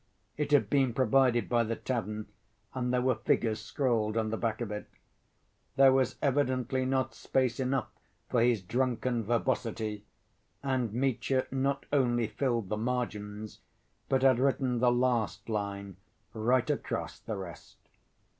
It had been provided by the tavern and there were figures scrawled on the back of it. There was evidently not space enough for his drunken verbosity and Mitya not only filled the margins but had written the last line right across the rest.